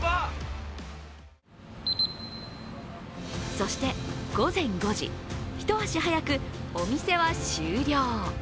そして午前５時、一足早く、お店は終了。